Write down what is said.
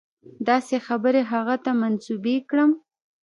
داسې خبرې هغه ته منسوبې کړم.